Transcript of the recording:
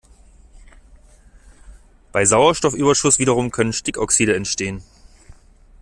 Bei Sauerstoffüberschuss wiederum können Stickoxide entstehen.